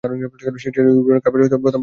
সেটাও ইউরোপিয়ান কাপের প্রথম পাঁচ টুর্নামেন্ট।